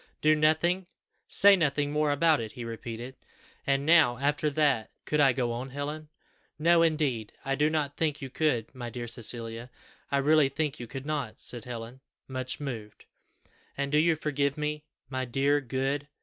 'Do nothing, say nothing more about it,' he repeated; and now, after that, could I go on, Helen?" "No, indeed; I do not think you could. My dear Cecilia, I really think you could not," said Helen, much moved. "And do you forgive me, my dear, good